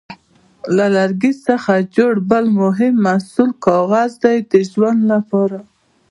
له لرګي څخه جوړ بل مهم محصول کاغذ دی د ژوند لپاره.